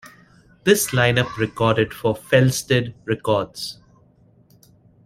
This lineup recorded for Felsted Records.